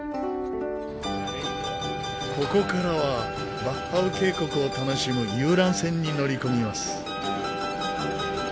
ここからはヴァッハウ渓谷を楽しむ遊覧船に乗り込みます。